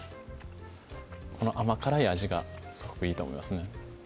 この甘辛い味がすごくいいと思いますね